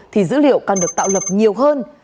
thì dữ liệu càng được tạo lập nhiều hơn